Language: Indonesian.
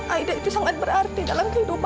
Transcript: aida itu sangat berarti dalam kehidupan